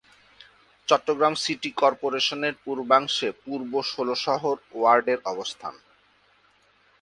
Chittagong city কর্পোরেশনের পূর্বাংশে পূর্ব ষোলশহর ওয়ার্ডের অবস্থান।